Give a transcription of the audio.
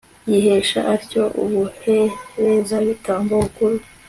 yihesha atyo ubuherezabitambo bukuru